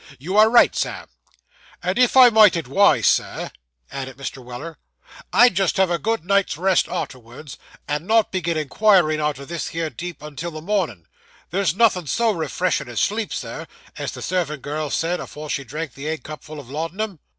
'You are right, Sam.' 'And if I might adwise, Sir,' added Mr. Weller, 'I'd just have a good night's rest arterwards, and not begin inquiring arter this here deep 'un till the mornin'. There's nothin' so refreshen' as sleep, sir, as the servant girl said afore she drank the egg cupful of laudanum.